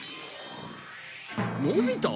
のび太？